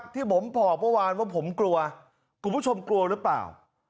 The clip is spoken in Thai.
ที่ผมบอกเมื่อวานว่าผมกลัวคุณผู้ชมกลัวหรือเปล่า